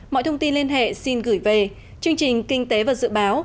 mọi thông tin liên hệ xin gửi về chương trình kinh tế và dự báo